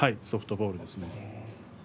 ソフトボールです。